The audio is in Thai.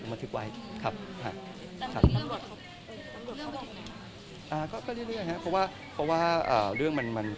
ตอนแรกก็ปรึกษาว่ายังไง